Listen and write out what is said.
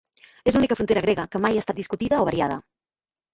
És l'única frontera grega que mai ha estat discutida o variada.